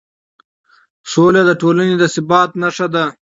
سوله د ټولنې د ثبات نښه ده